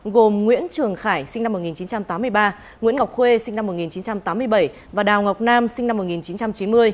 gồm nguyễn trường khải sinh năm một nghìn chín trăm tám mươi ba nguyễn ngọc khuê sinh năm một nghìn chín trăm tám mươi bảy và đào ngọc nam sinh năm một nghìn chín trăm chín mươi